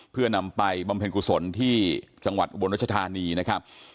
เพื่อนำไปบำเพ็ญกุศลที่จังหวัดอุบลรัชธานีนะครับ